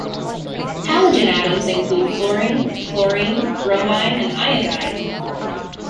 Halogen atoms include fluorine, chlorine, bromine, and iodine.